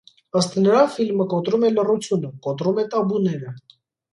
Ըստ նրա ֆիլմը «կոտրում է լռությունը, կոտրում է տաբուները»։